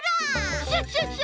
クシャシャシャ！